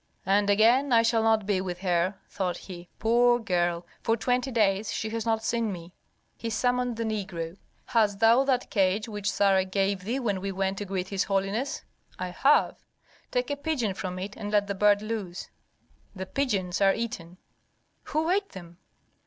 "And again I shall not be with her," thought he. "Poor girl! for twenty days she has not seen me " He summoned the negro. "Hast thou that cage which Sarah gave thee when we went to greet his holiness?" "I have." "Take a pigeon from it, and let the bird loose." "The pigeons are eaten." "Who ate them?"